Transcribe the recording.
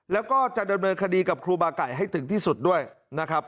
แล้วก็จะดำเนินคดีกับครูบาไก่ให้ถึงที่สุดด้วยนะครับ